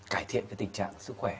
cải thiện cái tình trạng sức khỏe